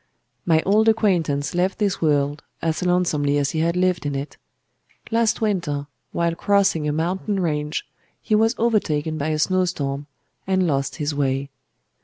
My old acquaintance left this world as lonesomely as he had lived in it. Last winter, while crossing a mountain range, he was overtaken by a snowstorm, and lost his way.